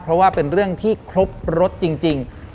เพราะว่าเป็นเรื่องที่ครบรสจริง